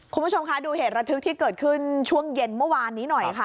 คุณผู้ชมคะดูเหตุระทึกที่เกิดขึ้นช่วงเย็นเมื่อวานนี้หน่อยค่ะ